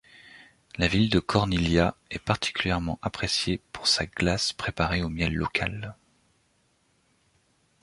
La ville de Corniglia est particulièrement appréciée pour sa glace préparée au miel local.